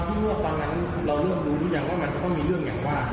ขออนุญาตตอนที่นวดตอนนั้นเราเริ่มรู้รู้ยังว่ามันก็ต้องมีเรื่องอย่างว่า